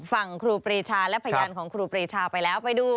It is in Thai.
ครูปรีชาและพยานของครูปรีชาไปแล้วไปดู